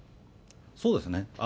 そうですね。